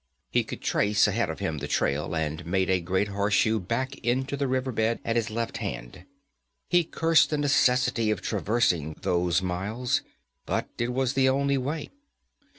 He could trace ahead of him the trail and made a great horseshoe back into the river bed at his left hand. He cursed the necessity of traversing those miles, but it was the only way.